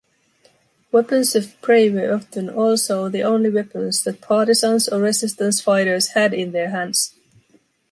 Weapons of prey were often also the only weapons that partisans or resistance fighters had in their hands.